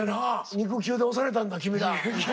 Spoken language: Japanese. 肉球で押されたんだ君ら。